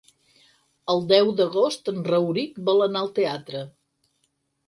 El deu d'agost en Rauric vol anar al teatre.